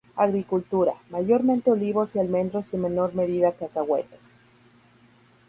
Agricultura, mayormente olivos y almendros y en menor medida cacahuetes.